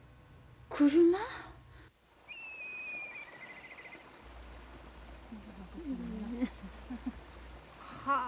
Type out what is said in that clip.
車？はあ。